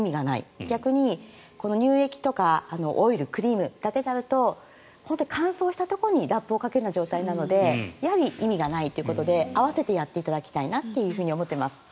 逆に乳液とかオイル、クリームだけだと乾燥したところにラップをかける状態なのでやはり意味がないということで合わせてやっていただきたいと思います。